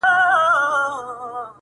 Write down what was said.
تک سپين کالي کړيدي-